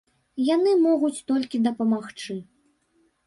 Яны могуць толькі дапамагчы.